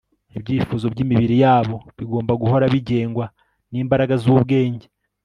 ibyifuzo by'imibiri yabo bigomba guhora bigengwa n'imbaraga z'ubwenge